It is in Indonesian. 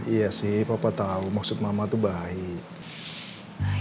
iya sih papa tau maksud mama tuh baik